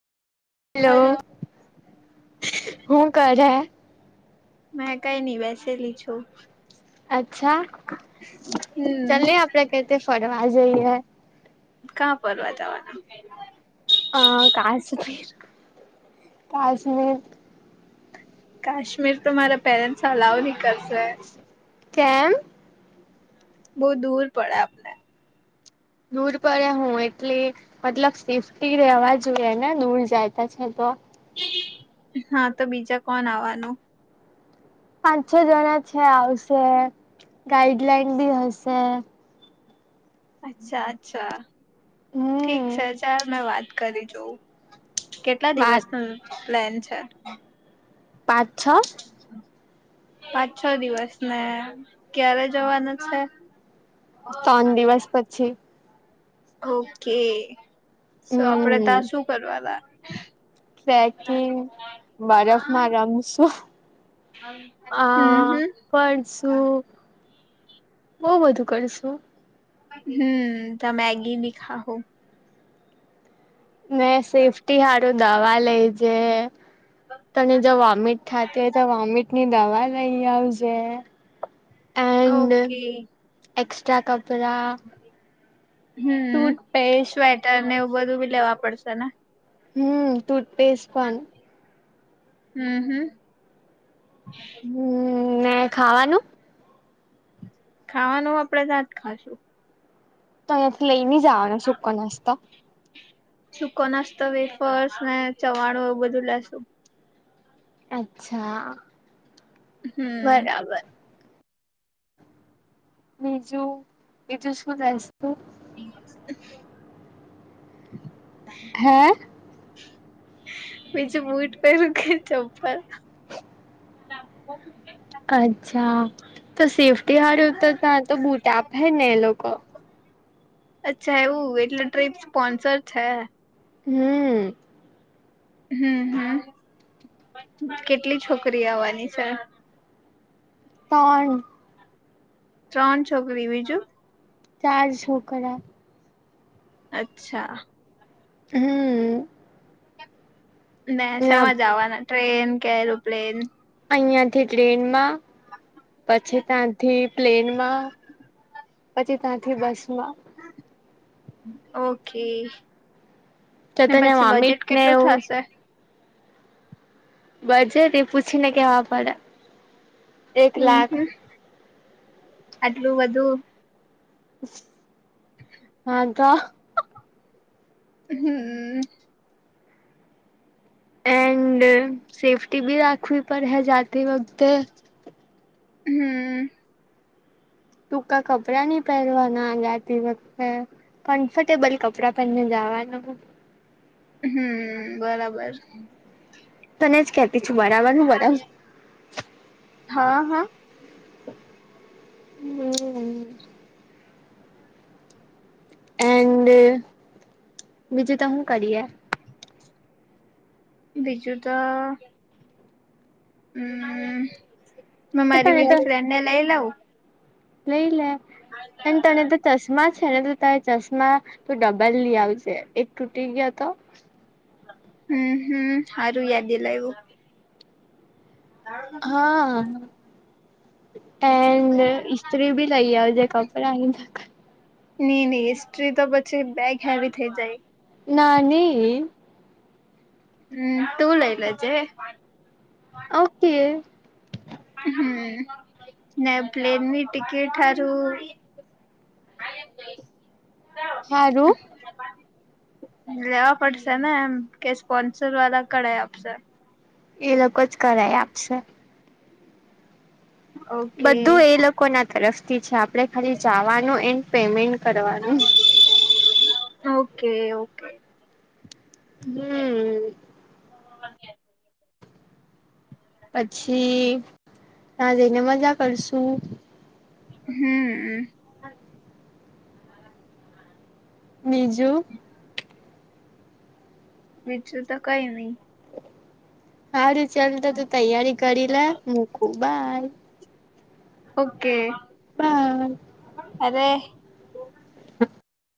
Hello, hello. હું કરે? મેં કઈ નઈ બેસેલી છું. અચ્છા, હમ ચલ ને આપડે કઈતે ફરવા જઈએ? કાં ફરવા જવાના? આ કાશ્મીર, કાશ્મીર. કાશ્મીર તો મારા પેરેન્ટ્સ અલાવ નહી કરશે. કેમ? બહુ દૂર પડે આપને. દૂર પડ્યા હું એટલે મતલબ સેફ્ટી રહેેવા જોઈએ ને દૂર જાયતા છે તો. હા તો બીજા કોણ આવવાનું? પાંચ છ જણા છે આવશે, ગાઈડલાઈન બી હશે. અચ્છા અચ્છા, ઠીક હમ છે ચાલ મેં વાત કરી લઉ. કેટલા વાત દિવસ નું પ્લેન છે? પાંચ છ. પાંચ છ દિવસ, ને ક્યારે જવાનું છે? ત્રણ દિવસ પછી. ઓકે, સો આપડે હમ ત્યા શું કરવાના? ટ્રેકિંગ બરફમાં રમશું. હમ આ હમ. ફરશું, બહુ બધું કરશું. હમ ત્યાં મેગી ભી ખાહો. મેં સેફ્ટી સારું દવા લેજે. તને જો વોમિટ થતી હોય તો વોમિટની દવા લઈ આવજે. એન્ડ ઓકે એક્સ્ટ્રા કપડા. હમ, ટૂથપેસ્ટ સ્વેટર ને એવું બધું ભી લેવા પડશે ને. હમ ટૂથપેસ્ટ પણ હમ્મ હમ્મ. હમ ને ખાવાનું? ખાવાનું આપડે ત જ ખાશું. તો અંથી લઈ જવાના સુક નાસ્તા. સુૂકો નાસ્તો, વેફર્સ ને, ચવાણો એવું બધું લેશુ. અચ્છા, હમ બરાબર. બજું બીજું શું? જસ [unintelligible] હે? બીજું બૂટ પરું કે, ચપ્પલ? [unintelligible] અચ્છા, તો સેફ્ટી હળ ઉતરતા તો બુટાપે ને, એ લોકો. અચ્છા, એવું એટલે ટ્રીપ સ્પોન્સર છે. હમ્મ. હમ્મ, હમ્મ, કેટલી છોકરી આવવાની છે? ત્રણ. ત્રણ છોકરી બીજું ચાર છોકરા. અચ્છા. હમ્મ. નસામાં જ આવવાના ટ્રેન કે? એરોપ્લેન? અહીંથી ટ્રેનમાં પછી ત્યાંથી પ્લેનમાં. પછી ત્યાંથી બસ માં. ઓકે. તો તને પછી વોમિટ બજેટ ને કેટલું એવું થશે? બજે તે પૂછીને કેવા પડે. એક હમ્મ, લાખ હ, આટલું બધું. હા, તો. હમ્મ. એન્ડ સેફ્ટી બી રાખવી પડે, હે જાતે વખતે. હમ્મ. ટૂકા કપડાં નની પહેરવાના જાતી વખતે. કમ્ફર્ટેબલ કપડા પને જવાનું. હમ્મ, બરાબર. તને જ કેતી છું, બરાબર હું બરાબર. હા, હા. હમ્મ. એન્ડ બીજું તો હું કરીએ. બીજું તો. હમ, મે એ મારી તને તો બીજી ફ્રેન્ડ ને લઈ લઉં. લઈ લે, એ તને તો ચશ્મા છે ને, તો ત ચશ્મા તો ડબલ લ આવશે, એક તૂટી ગયો તો. હમ્મ, હમ્મ, સારું યાદ દિલા એવું. હા. એડ ઇસ્ત્રી ભી લઇ, આ જે કપડા નઈ નહી, સ્ટ્રી તો પછી બેગ હેવી થઈ જાય. નાની. હમ્મ, તું લઈ લજે. ઓકે. હમ્મ ને પ્લેનની ટિકિટ હારું [inaudible] સારું [inaudible] લેવા પડશે ને એમ કે સ્પોન્સર વાળા કડાઇ આપશે? એ લોકો જ કરાઈ આપશે ઓકે બધું એ લોકોના તરફથી છે, આપણે ખાલી જવાનું એન્ડ પેમેન્ટ કરવાનું ઓકે ઓકે હમ્મ. પછી તાં જઈને મજા કરશું હમ્મ. બીજુ? બીજું તો કંઈ ની હારું ચાલ તો તું તૈયારી કરીલે મુકું બાય ઓકે બાય. અરેે